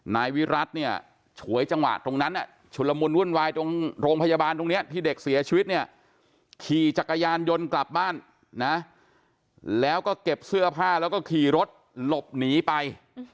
นายวิรัติเนี่ยฉวยจังหวะตรงนั้นชุดละมุนวุ่นวายตรงโรงพยาบาลตรงนี้ที่เด็กเสียชีวิตเนี่ยขี่จักรยานยนต์กลับบ้านนะแล้วก็เก็บเสื้อผ้าแล้วก็ขี่รถหลบหนีไป